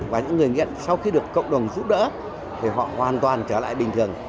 và những người nghiện sau khi được cộng đồng giúp đỡ thì họ hoàn toàn trở lại bình thường